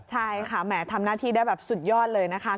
ใช่ค่ะแหมทำหน้าที่ได้แบบสุดยอดเลยนะคะ